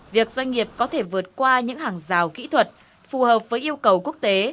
việc doanh nghiệp có thể vượt qua những hàng rào kỹ thuật phù hợp với yêu cầu quốc tế